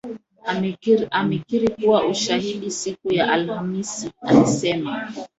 amekiri kuwa hana ushahidi Siku ya alhamisi alisema